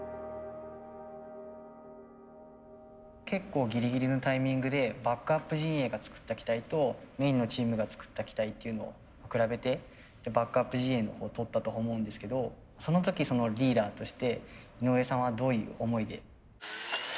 結構ギリギリのタイミングでバックアップ陣営が作った機体とメインのチームが作った機体っていうのを比べてバックアップ陣営のほうとったと思うんですけどその時そのリーダーとして井上さんはどういう思いで。